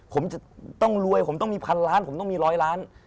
ผมจะต้องรวยผมต้องมีพันล้านผมต้องมีร้อยล้าน